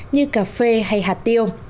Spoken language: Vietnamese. như cà phê hay hạt tiêu